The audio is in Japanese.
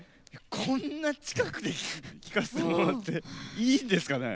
こんなに近くで聴かせてもらっていいんですかね。